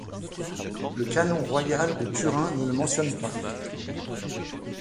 Le canon royal de Turin ne le mentionne pas.